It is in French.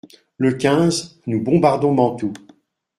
Le quinze, nous bombardons Mantoue.